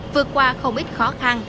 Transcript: vượt qua không ít khó khăn